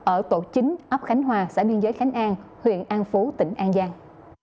ở tổ chính ấp khánh hòa xã biên giới khánh an huyện an phú tỉnh an giang